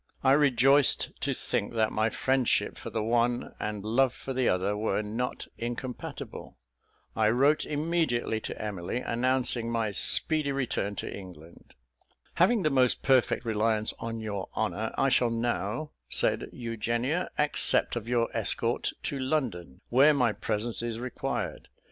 I rejoiced to think that my friendship for the one, and love for the other, were not incompatible. I wrote immediately to Emily, announcing my speedy return to England. "Having the most perfect reliance on your honour, I shall now," said Eugenia, "accept of your escort to London, where my presence is required.